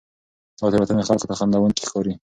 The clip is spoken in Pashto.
دا تېروتنې خلکو ته خندوونکې ښکاري.